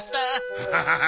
ハハハハ。